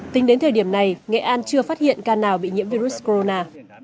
tính đến thời điểm này nghệ an chưa phát hiện ca nào bị nhiễm virus corona